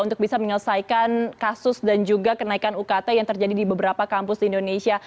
untuk bisa menyelesaikan kasus dan juga kenaikan ukt yang terjadi di beberapa kampus di indonesia